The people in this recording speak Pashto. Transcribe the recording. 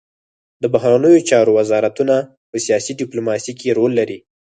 د بهرنیو چارو وزارتونه په سیاسي ډیپلوماسي کې رول لري